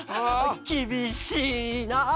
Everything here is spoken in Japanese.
きびしいな！